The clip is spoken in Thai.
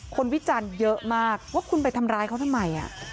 วิจารณ์เยอะมากว่าคุณไปทำร้ายเขาทำไม